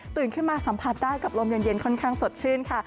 ขึ้นมาสัมผัสได้กับลมเย็นค่อนข้างสดชื่นค่ะ